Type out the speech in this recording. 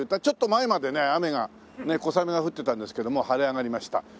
ちょっと前までね雨が小雨が降ってたんですけどもう晴れ上がりました。